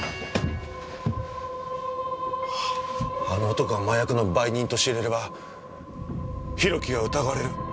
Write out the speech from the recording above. あの男が麻薬の売人と知れれば博貴が疑われる。